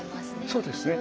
そうですね。